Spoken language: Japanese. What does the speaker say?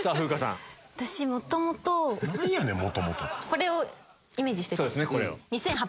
これをイメージしてたので。